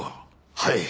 はい。